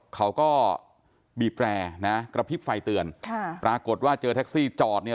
เขาก็บีบแร่นะกระพริบไฟเตือนค่ะปรากฏว่าเจอแท็กซี่จอดเนี่ย